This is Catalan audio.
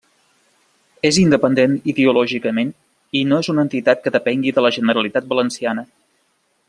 És independent ideològicament i no és una entitat que depengui de la Generalitat Valenciana.